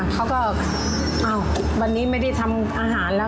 เขาก็อ้าววันนี้ไม่ได้ทำอาหารแล้ว